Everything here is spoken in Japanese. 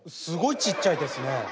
すごいちっちゃいですね。